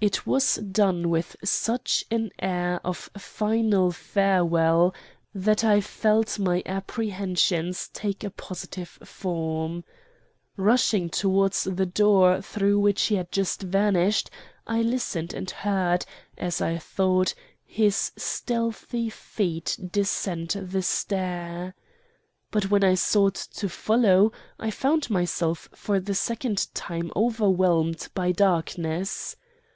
"It was done with such an air of final farewell, that I felt my apprehensions take a positive form. Rushing towards the door through which he had just vanished, I listened and heard, as I thought, his stealthy feet descend the stair. But when I sought to follow, I found myself for the second time overwhelmed by darkness.